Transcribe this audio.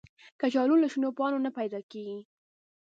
کچالو له شنو پاڼو نه پیدا کېږي